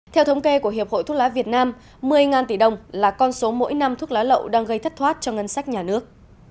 theo thống kê của hiệp hội thuốc lá việt nam một mươi tỷ đồng là con số mỗi năm thuốc lá lậu đang gây thất thoát cho ngân sách nhà nước